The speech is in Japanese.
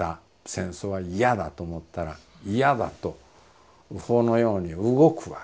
戦争は嫌だと思ったら嫌だとそのように動くわけですね。